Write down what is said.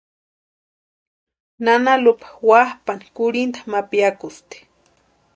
Nana Lupa wapʼani kurhinta ma piakusti.